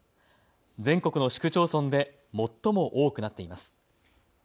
全国の市区町村で最も多くなっています。